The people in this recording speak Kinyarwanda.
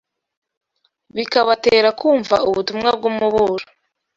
bikabatera kumva ubutumwa bw’umuburo